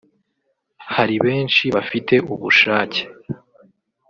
hari benshi bafite ubushake